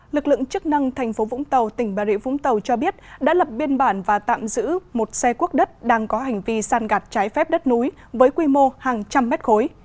lực lượng chức năng thành phố vũng tàu tỉnh bà rịa vũng tàu cho biết đã lập biên bản và tạm giữ một xe cuốc đất đang có hành vi săn gạt trái phép đất núi với quy mô hàng trăm mét khối